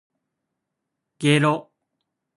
げろ